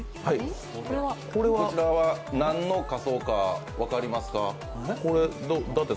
何の仮装か分かりますか？